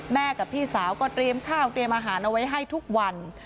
กับพี่สาวก็เตรียมข้าวเตรียมอาหารเอาไว้ให้ทุกวัน